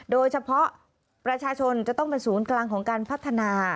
โดยเฉพาะประชาชนจะต้องเป็นศูนย์กลางของการพัฒนา